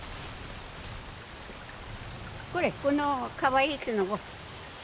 これこのかわいいきのこ。